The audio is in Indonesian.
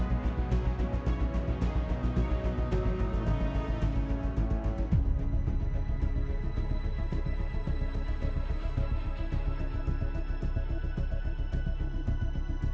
saya tidak pernah memberikan handphone kepada mereka semua